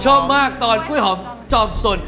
ชอบมากตอนกล้วยหอมจอมสด